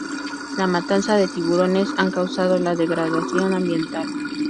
La matanza de tiburones ha causado la degradación ambiental.